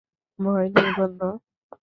ভয় নেই, বন্ধু।